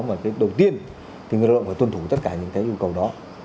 và đầu tiên thì người lao động phải tuân thủ tất cả những yêu cầu đó